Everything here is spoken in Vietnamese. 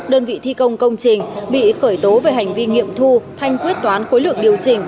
đơn vị thi công công trình bị khởi tố về hành vi nghiệm thu thanh quyết toán khối lượng điều chỉnh